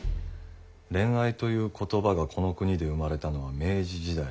恋愛という言葉がこの国で生まれたのは明治時代。